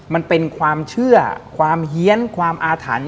มันเป็นความเชื่อความเฮียนความอาถรรพ์